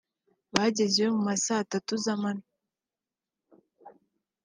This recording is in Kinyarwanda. Bagezeyo mu ma saa tatu z’amanywa